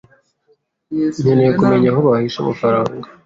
nkeneye kumenya aho bahishe amafaranga.